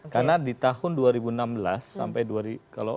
karena di tahun dua ribu enam belas sampai kalau